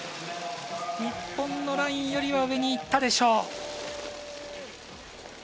日本のライン寄りは上にいったでしょう。